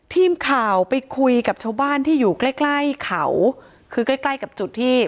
ทีมข่าวไปคุยกับชาวบ้านที่อยู่ใกล้ใกล้เขาคือใกล้ใกล้กับจุดที่